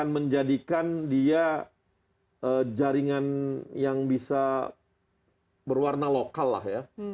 menjadikan dia jaringan yang bisa berwarna lokal lah ya